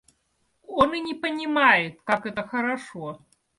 Он и не понимает, как это хорошо.